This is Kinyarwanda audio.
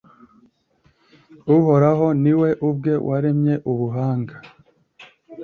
Uhoraho ni we ubwe waremye ubuhanga